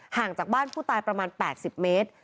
ห่างจากบ้านผู้ตายประมาณ๘๐เมตร